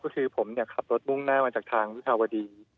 ก็คือผมขับรถมุ่งหน้ามาจากทางวิภาวดี